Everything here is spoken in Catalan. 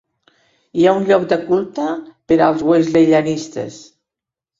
Hi ha un lloc de culte per als wesleyanistes.